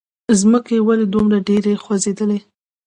ځمکې! ولې دومره ډېره خوځېدلې؟